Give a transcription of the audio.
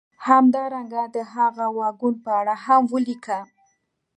همدارنګه د هغه واګون په اړه هم ولیکه